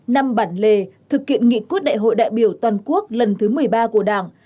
năm bản lề thực hiện nghị quyết đại hội đại biểu toàn quốc lần thứ một mươi ba của đảng